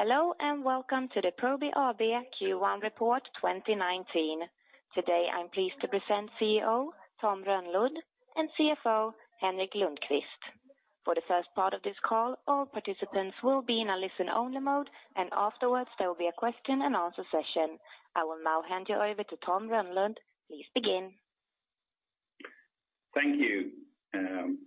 Hello, and welcome to the Probi AB Q1 report 2019. Today, I am pleased to present CEO Tom Rönnlund and CFO Henrik Lundkvist. For the first part of this call, all participants will be in a listen-only mode, and afterwards there will be a question and answer session. I will now hand you over to Tom Rönnlund. Please begin. Thank you.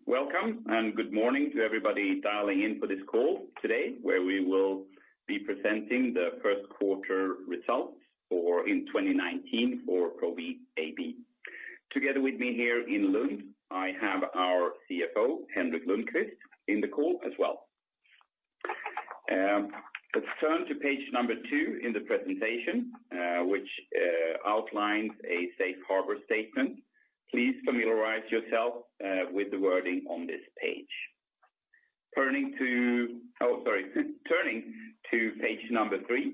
Welcome and good morning to everybody dialing in for this call today, where we will be presenting the first quarter results in 2019 for Probi AB. Together with me here in Lund, I have our CFO, Henrik Lundkvist, in the call as well. Let's turn to page number two in the presentation, which outlines a safe harbor statement. Please familiarize yourself with the wording on this page. Turning to page number three,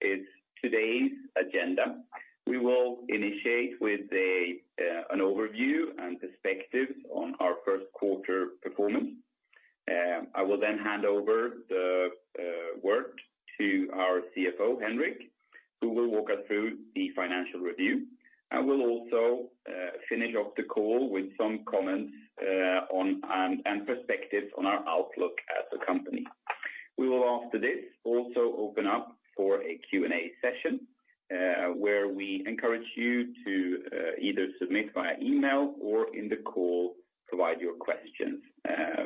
is today's agenda. We will initiate with an overview and perspective on our first quarter performance. I will then hand over the work to our CFO, Henrik, who will walk us through the financial review, and we will also finish off the call with some comments and perspectives on our outlook as a company. We will after this also open up for a Q&A session, where we encourage you to either submit via email or in the call provide your questions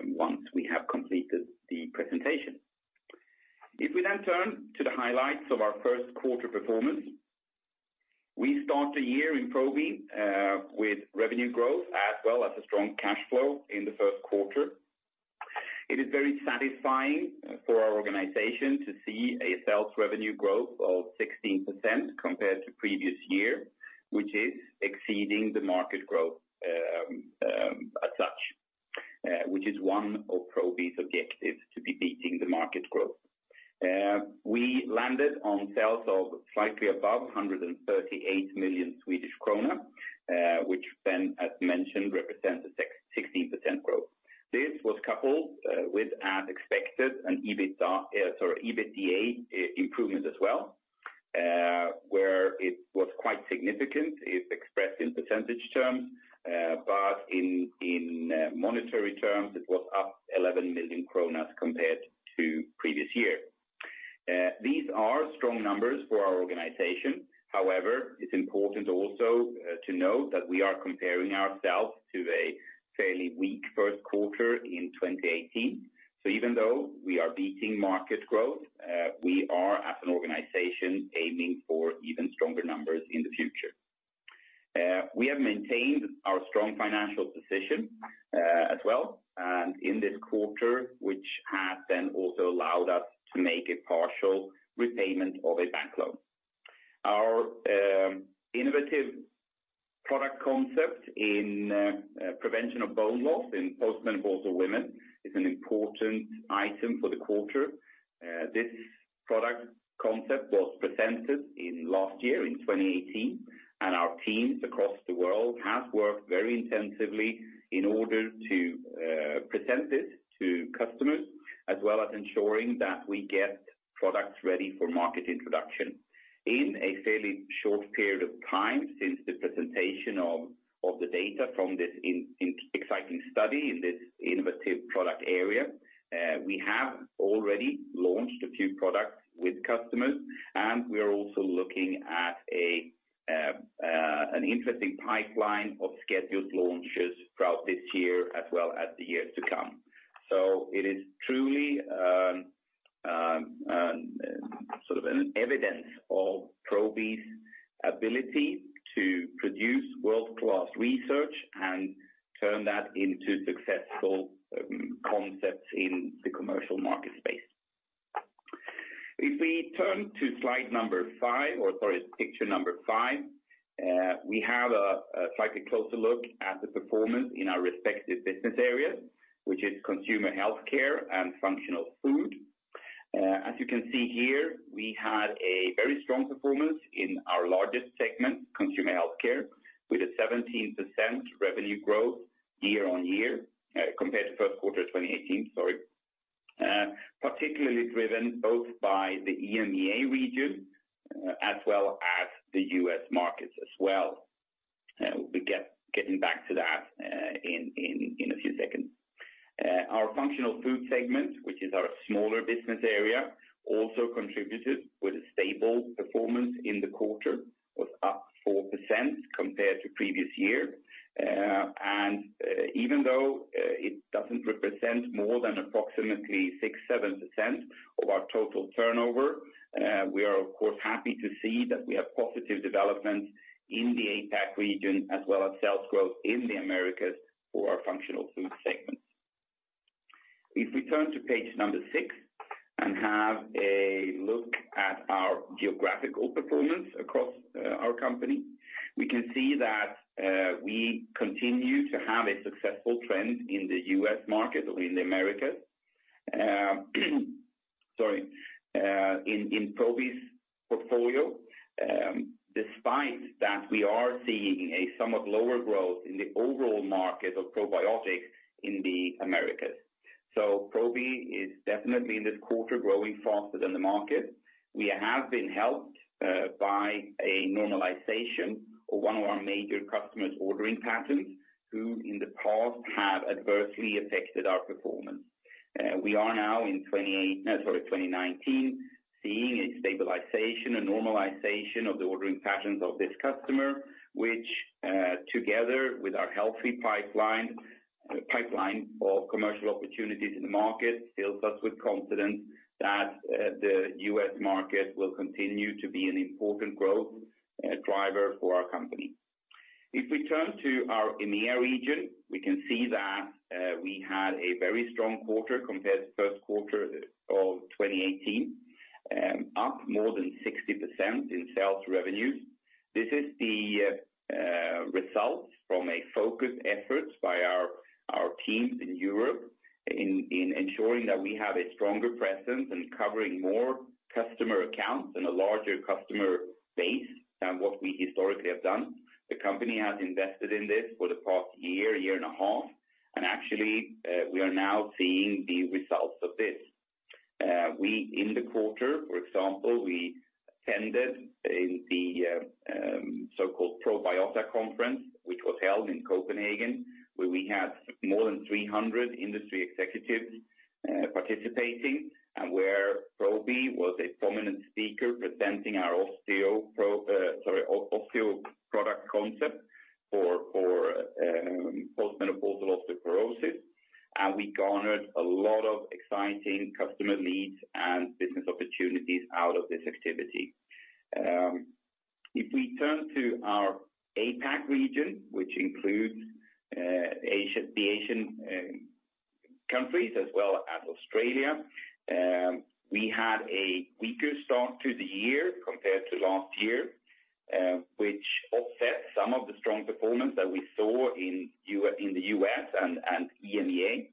once we have completed the presentation. If we then turn to the highlights of our first quarter performance. We start the year in Probi with revenue growth, as well as a strong cash flow in the first quarter. It is very satisfying for our organization to see a sales revenue growth of 16% compared to previous year, which is exceeding the market growth as such, which is one of Probi's objectives, to be beating the market growth. We landed on sales of slightly above 138 million Swedish krona, which then, as mentioned, represents a 16% growth. This was coupled with as expected an EBITDA improvement as well, where it was quite significant. It is expressed in percentage terms, but in monetary terms, it was up 11 million kronor compared to previous year. These are strong numbers for our organization. However, it is important also to note that we are comparing ourselves to a fairly weak first quarter in 2018. Even though we are beating market growth, we are as an organization aiming for even stronger numbers in the future. We have maintained our strong financial position as well, and in this quarter, which has then also allowed us to make a partial repayment of a bank loan. Our innovative product concept in prevention of bone loss in post-menopausal women is an important item for the quarter. This product concept was presented last year, in 2018, and our teams across the world have worked very intensively in order to present it to customers, as well as ensuring that we get products ready for market introduction. In a fairly short period of time since the presentation of the data from this exciting study in this innovative product area, we have already launched a few products with customers, and we are also looking at an interesting pipeline of scheduled launches throughout this year, as well as the years to come. It is truly an evidence of Probi's ability to produce world-class research and turn that into successful concepts in the commercial market space. If we turn to slide number five, or sorry, picture number five, we have a slightly closer look at the performance in our respective business areas, which is Consumer Healthcare and Functional Food. As you can see here, we had a very strong performance in our largest segment, Consumer Healthcare, with a 17% revenue growth year-on-year compared to first quarter 2018, sorry. Particularly driven both by the EMEA region as well as the U.S. markets as well. We'll be getting back to that in a few seconds. Our Functional Food segment, which is our smaller business area, also contributed with a stable performance in the quarter, was up 4% compared to previous year. Even though it doesn't represent more than approximately 6%, 7% of our total turnover, we are of course, happy to see that we have positive developments in the APAC region as well as sales growth in the Americas for our functional food segment. If we turn to page number six and have a look at our geographical performance across our company, we can see that we continue to have a successful trend in the U.S. market or in the Americas. Sorry. In Probi's portfolio, despite that we are seeing a somewhat lower growth in the overall market of probiotics in the Americas. Probi is definitely in this quarter growing faster than the market. We have been helped by a normalization of one of our major customers' ordering patterns, who in the past have adversely affected our performance. We are now in 2019, seeing a stabilization, a normalization of the ordering patterns of this customer, which together with our healthy pipeline of commercial opportunities in the market, fills us with confidence that the U.S. market will continue to be an important growth driver for our company. If we turn to our EMEA region, we can see that we had a very strong quarter compared to first quarter of 2018, up more than 60% in sales revenues. This is the result from a focused effort by our teams in Europe in ensuring that we have a stronger presence and covering more customer accounts and a larger customer base than what we historically have done. The company has invested in this for the past year and a half, and actually, we are now seeing the results of this. In the quarter, for example, we attended the so-called Probiota conference, which was held in Copenhagen, where we had more than 300 industry executives participating, and where Probi was a prominent speaker presenting our Osteo product concept for postmenopausal osteoporosis. We garnered a lot of exciting customer leads and business opportunities out of this activity. If we turn to our APAC region, which includes the Asian countries as well as Australia, we had a weaker start to the year compared to last year, which offsets some of the strong performance that we saw in the U.S. and EMEA.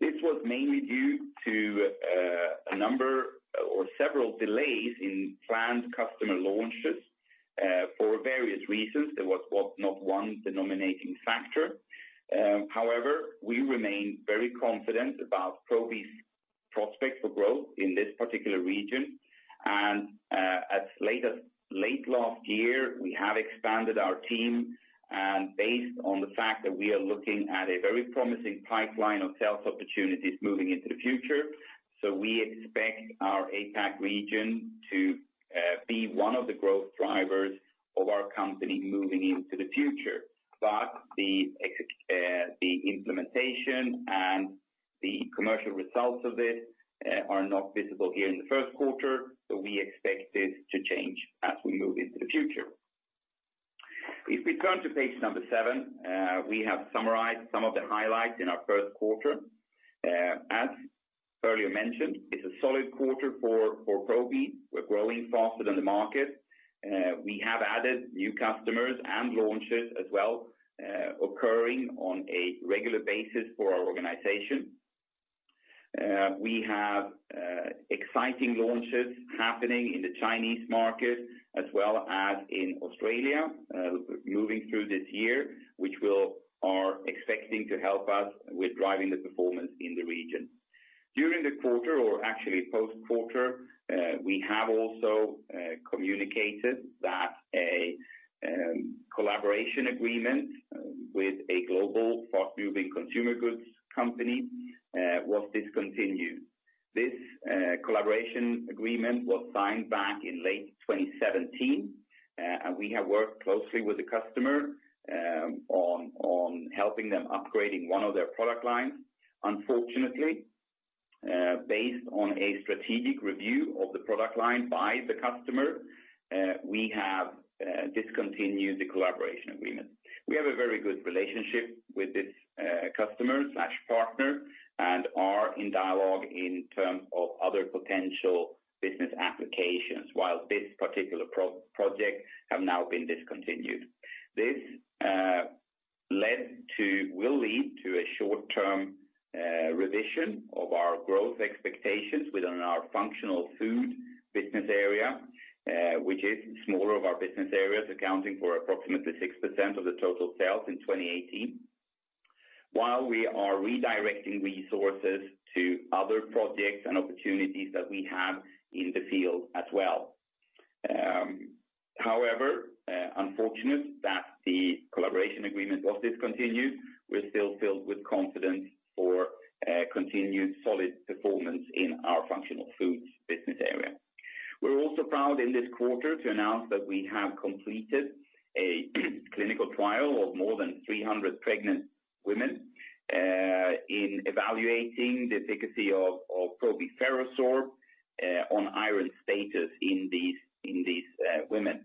This was mainly due to a number or several delays in planned customer launches, for various reasons. There was not one denominating factor. However, we remain very confident about Probi's prospects for growth in this particular region. As late last year, we have expanded our team, and based on the fact that we are looking at a very promising pipeline of sales opportunities moving into the future. We expect our APAC region to be one of the growth drivers of our company moving into the future. The implementation and the commercial results of it are not visible here in the first quarter. We expect this to change as we move into the future. If we turn to page number seven, we have summarized some of the highlights in our first quarter. As earlier mentioned, it's a solid quarter for Probi. We're growing faster than the market. We have added new customers and launches as well, occurring on a regular basis for our organization. We have exciting launches happening in the Chinese market as well as in Australia, moving through this year, which we are expecting to help us with driving the performance in the region. During the quarter or actually post-quarter, we have also communicated that a collaboration agreement with a global fast-moving consumer goods company was discontinued. This collaboration agreement was signed back in late 2017, and we have worked closely with the customer on helping them upgrading one of their product lines. Unfortunately, based on a strategic review of the product line by the customer, we have discontinued the collaboration agreement. We have a very good relationship with this customer/partner and are in dialogue in terms of other potential business applications while this particular project have now been discontinued. This will lead to a short-term revision of our growth expectations within our functional food business area, which is smaller of our business areas, accounting for approximately 6% of the total sales in 2018, while we are redirecting resources to other projects and opportunities that we have in the field as well. Unfortunate that the collaboration agreement was discontinued, we're still filled with confidence for continued solid performance in our functional food business area. We're also proud in this quarter to announce that we have completed a clinical trial of more than 300 pregnant women in evaluating the efficacy of Probi FerroSorb on iron status in these women.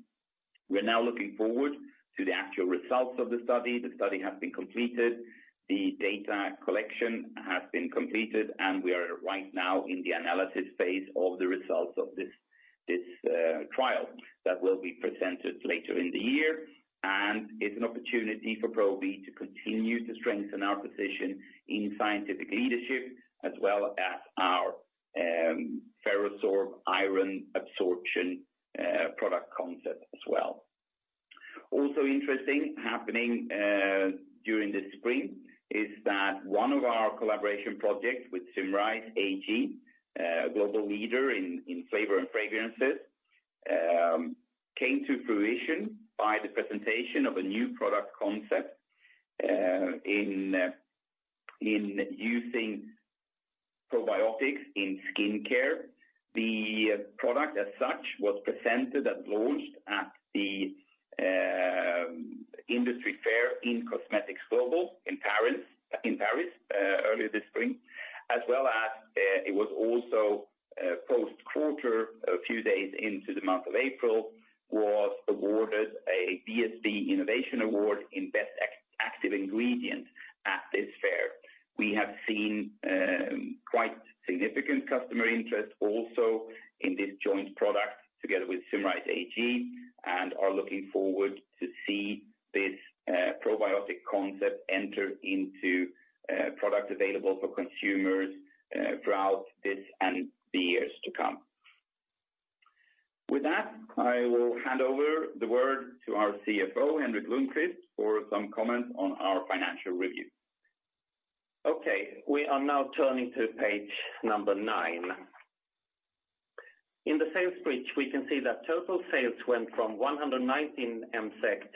We're now looking forward to the actual results of the study. The study has been completed. The data collection has been completed, and we are right now in the analysis phase of the results of this trial that will be presented later in the year. It's an opportunity for Probi to continue to strengthen our position in scientific leadership as well as our FerroSorb iron absorption product concept as well. Also interesting happening during the spring is that one of our collaboration projects with Symrise AG, a global leader in flavor and fragrances, came to fruition by the presentation of a new product concept in using probiotics in skincare. The product as such was presented and launched at the industry fair in-cosmetics Global in Paris earlier this spring. It was also post quarter, a few days into the month of April, awarded a BSB Innovation Award in best active ingredient at this fair. We have seen quite significant customer interest also in this joint product together with Symrise AG and are looking forward to see this probiotic concept enter into products available for consumers throughout this and the years to come. With that, I will hand over the word to our CFO, Henrik Lundkvist, for some comments on our financial review. Okay. We are now turning to page number nine. In the sales bridge, we can see that total sales went from 119 million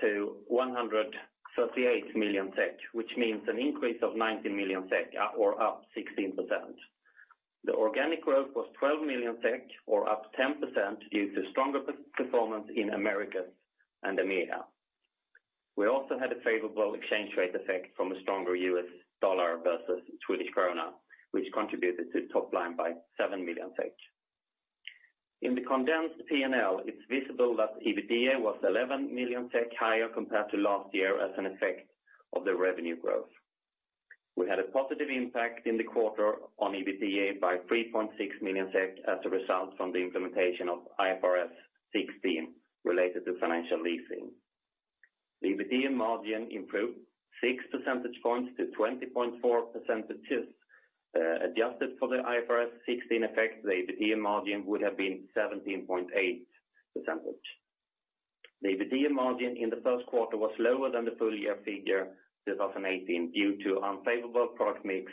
to 138 million SEK, which means an increase of 19 million SEK or up 16%. The organic growth was 12 million SEK, or up 10%, due to stronger performance in Americas and EMEA. We also had a favorable exchange rate effect from a stronger U.S. dollar versus Swedish krona, which contributed to top line by 7 million. In the condensed P&L, it's visible that the EBITDA was 11 million SEK higher compared to last year as an effect of the revenue growth. We had a positive impact in the quarter on EBITDA by 3.6 million SEK as a result from the implementation of IFRS 16 related to financial leasing. The EBITDA margin improved 6 percentage points to 20.4%. Adjusted for the IFRS 16 effect, the EBITDA margin would have been 17.8%. The EBITDA margin in the first quarter was lower than the full year figure 2018, due to unfavorable product mix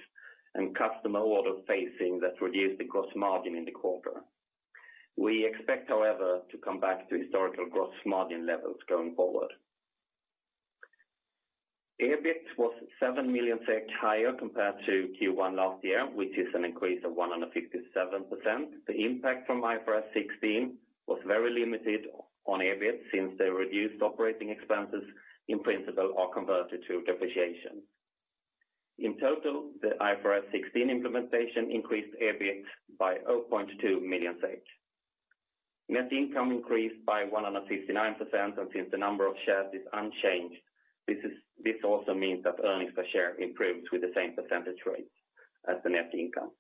and customer order phasing that reduced the gross margin in the quarter. We expect, however, to come back to historical gross margin levels going forward. EBIT was 7 million SEK higher compared to Q1 last year, which is an increase of 157%. The impact from IFRS 16 was very limited on EBIT since the reduced operating expenses in principle are converted to depreciation. In total, the IFRS 16 implementation increased EBIT by 0.2 million. Net income increased by 159% and since the number of shares is unchanged, this also means that earnings per share improves with the same percentage rate as the net income.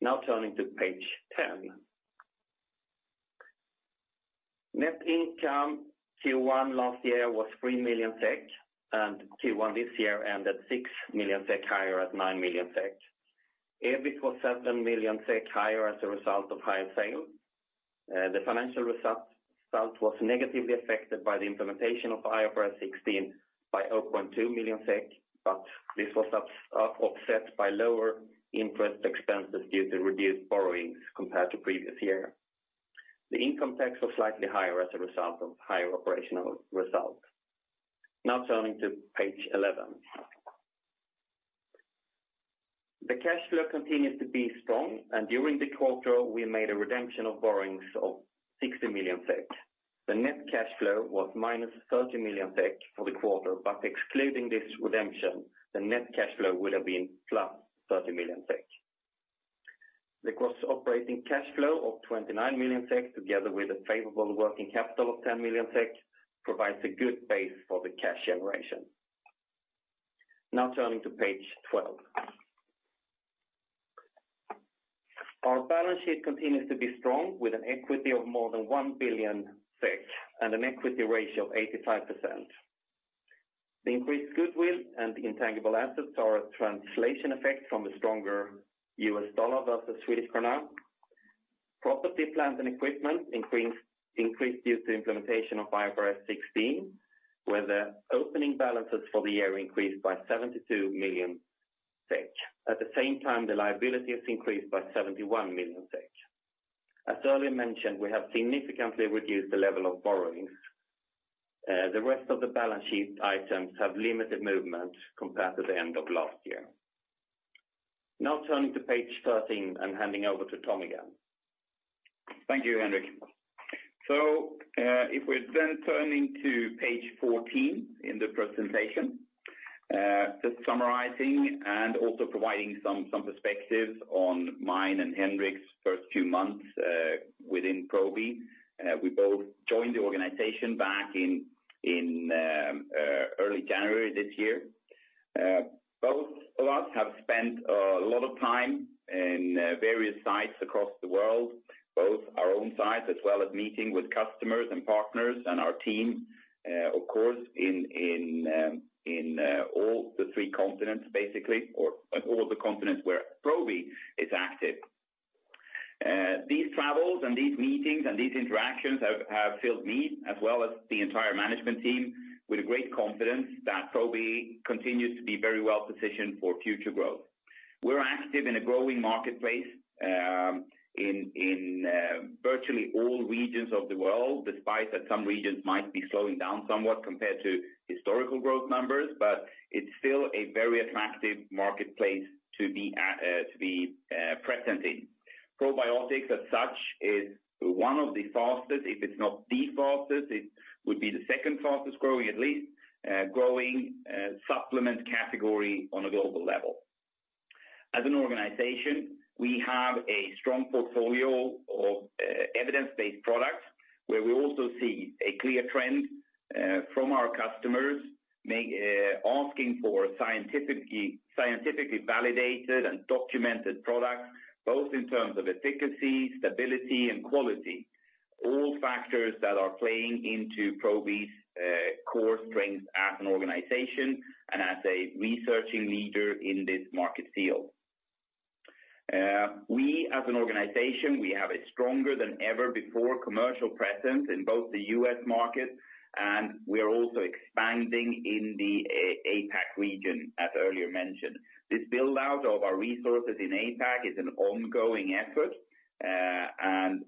Now turning to page 10. Net income Q1 last year was 3 million SEK, and Q1 this year ended 6 million SEK higher at 9 million SEK. EBIT was 7 million SEK higher as a result of higher sales. The financial result was negatively affected by the implementation of IFRS 16 by 0.2 million SEK, but this was offset by lower interest expenses due to reduced borrowings compared to previous year. The income tax was slightly higher as a result of higher operational results. Now turning to page 11. The cash flow continues to be strong, and during the quarter we made a redemption of borrowings of 60 million SEK. The net cash flow was minus 30 million SEK for the quarter, but excluding this redemption, the net cash flow would have been plus 30 million SEK. The gross operating cash flow of 29 million SEK, together with a favorable working capital of 10 million SEK, provides a good base for the cash generation. Turning to page 12. Our balance sheet continues to be strong with an equity of more than 1 billion and an equity ratio of 85%. The increased goodwill and intangible assets are a translation effect from a stronger U.S. dollar versus Swedish krona. Property, plant, and equipment increased due to implementation of IFRS 16, where the opening balances for the year increased by 72 million SEK. At the same time, the liabilities increased by 71 million SEK. As earlier mentioned, we have significantly reduced the level of borrowings. The rest of the balance sheet items have limited movement compared to the end of last year. Turning to page 13 and handing over to Tom again. Thank you, Henrik. If we're turning to page 14 in the presentation, just summarizing and also providing some perspectives on mine and Henrik's first two months within Probi. We both joined the organization back in early January this year. Both of us have spent a lot of time in various sites across the world, both our own sites as well as meeting with customers and partners and our team, of course, in all the three continents, basically, or all the continents where Probi is active. These travels and these meetings and these interactions have filled me, as well as the entire management team, with great confidence that Probi continues to be very well-positioned for future growth. We're active in a growing marketplace, in virtually all regions of the world, despite that some regions might be slowing down somewhat compared to historical growth numbers, it's still a very attractive marketplace to be present in. Probiotics as such is one of the fastest, if it's not the fastest, it would be the second fastest growing, at least, growing supplement category on a global level. As an organization, we have a strong portfolio of evidence-based products where we also see a clear trend from our customers, asking for scientifically validated and documented products, both in terms of efficacy, stability, and quality. All factors that are playing into Probi's core strengths as an organization and as a researching leader in this market field. We, as an organization, we have a stronger than ever before commercial presence in both the U.S. market, we are also expanding in the APAC region, as earlier mentioned. This build-out of our resources in APAC is an ongoing effort,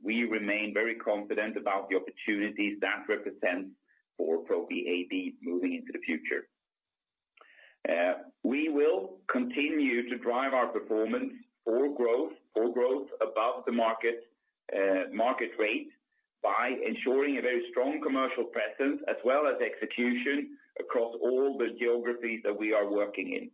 we remain very confident about the opportunities that represent for Probi AB moving into the future. We will continue to drive our performance for growth above the market rate by ensuring a very strong commercial presence, as well as execution across all the geographies that we are working in.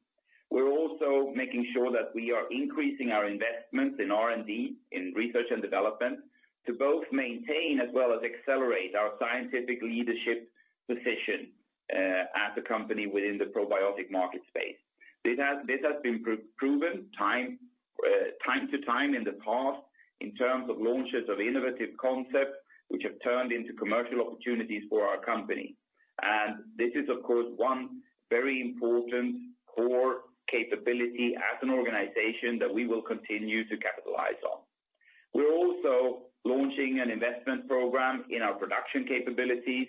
We're also making sure that we are increasing our investments in R&D, in research and development, to both maintain as well as accelerate our scientific leadership position as a company within the probiotic market space. This has been proven time to time in the past in terms of launches of innovative concepts which have turned into commercial opportunities for our company. This is, of course, one very important core capability as an organization that we will continue to capitalize on. We're also launching an investment program in our production capabilities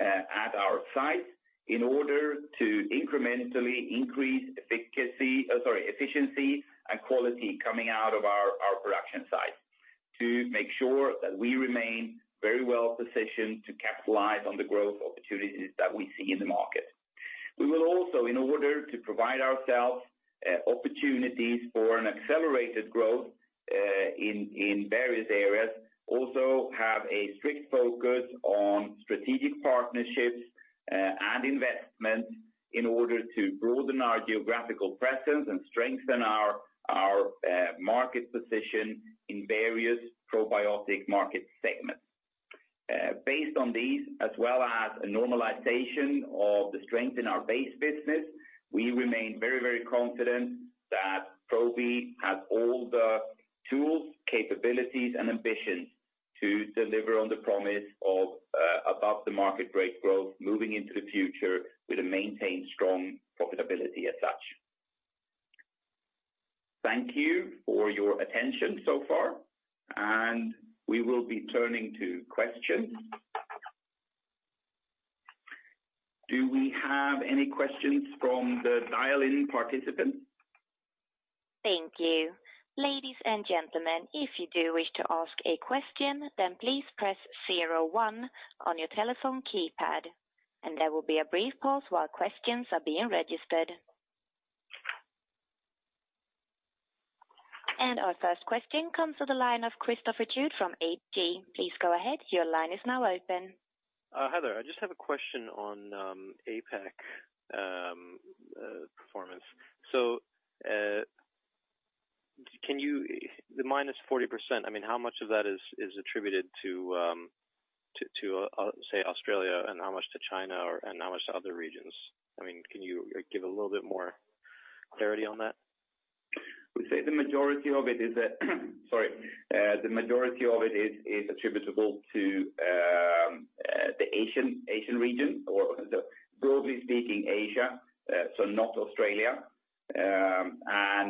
at our site in order to incrementally increase efficiency and quality coming out of our production site to make sure that we remain very well positioned to capitalize on the growth opportunities that we see in the market. We will also, in order to provide ourselves opportunities for an accelerated growth in various areas, also have a strict focus on strategic partnerships and investment in order to broaden our geographical presence and strengthen our market position in various probiotic market segments. Based on these, as well as a normalization of the strength in our base business, we remain very confident that Probi has all the tools, capabilities, and ambitions to deliver on the promise of above the market rate growth moving into the future with a maintained strong profitability as such. Thank you for your attention so far. We will be turning to questions. Do we have any questions from the dial-in participants? Thank you. Ladies and gentlemen, if you do wish to ask a question, please press one on your telephone keypad. There will be a brief pause while questions are being registered. Our first question comes to the line of Christopher Uhde from SEB. Please go ahead. Your line is now open. Hi there. I just have a question on APAC performance. The minus 40%, how much of that is attributed to, say, Australia, and how much to China, and how much to other regions? Can you give a little bit more clarity on that? Sorry. The majority of it is attributable to the Asian region, or broadly speaking, Asia, so not Australia. A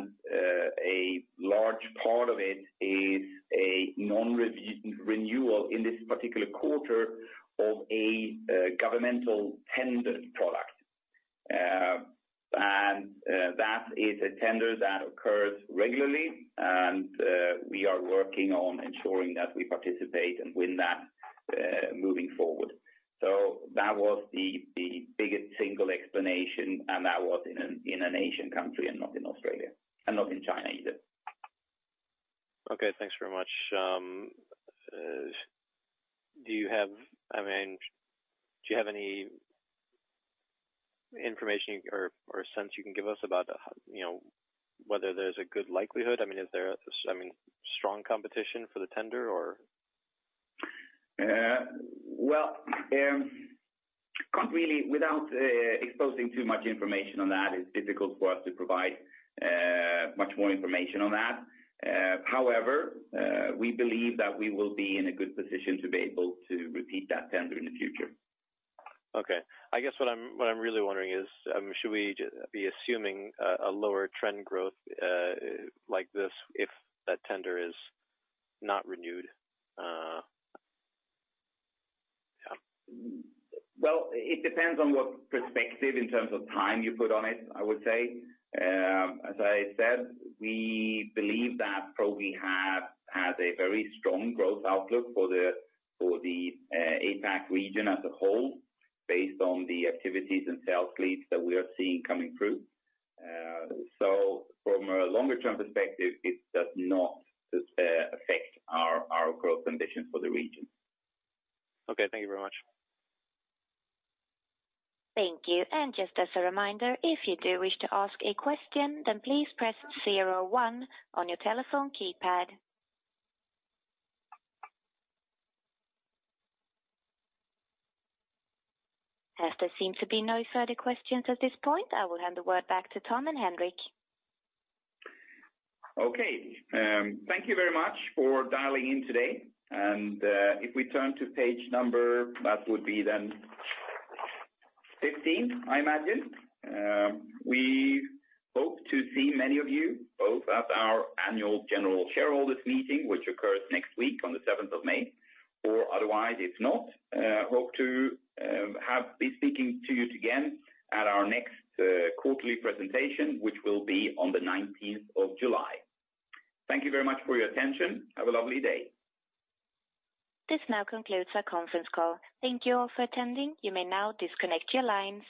large part of it is a non-renewal in this particular quarter of a governmental tender product. That is a tender that occurs regularly, and we are working on ensuring that we participate and win that moving forward. That was the biggest single explanation, and that was in an Asian country and not in Australia, and not in China. Okay, thanks very much. Do you have any information or sense you can give us about whether there's a good likelihood? Is there strong competition for the tender? Well, without exposing too much information on that, it's difficult for us to provide much more information on that. However, we believe that we will be in a good position to be able to repeat that tender in the future. Okay. I guess what I'm really wondering is, should we be assuming a lower trend growth like this if that tender is not renewed? Well, it depends on what perspective in terms of time you put on it, I would say. As I said, we believe that Probi has a very strong growth outlook for the APAC region as a whole, based on the activities and sales leads that we are seeing coming through. From a longer-term perspective, it does not affect our growth ambition for the region. Okay. Thank you very much. Thank you. Just as a reminder, if you do wish to ask a question, then please press zero one on your telephone keypad. There seem to be no further questions at this point, I will hand the word back to Tom and Henrik. Okay. Thank you very much for dialing in today. If we turn to page number, that would be then 15, I imagine. We hope to see many of you both at our annual general shareholders meeting, which occurs next week on the 7th of May, or otherwise, if not, hope to be speaking to you again at our next quarterly presentation, which will be on the 19th of July. Thank you very much for your attention. Have a lovely day. This now concludes our conference call. Thank you all for attending. You may now disconnect your line.